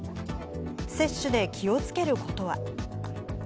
接種で気をつけることは。